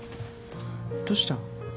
どうした？